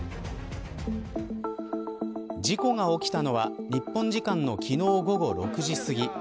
事故が起きたのは日本時間の昨日午後６時すぎ。